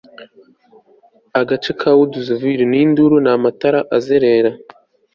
Agace ka Woodsville ni induru namatara azerera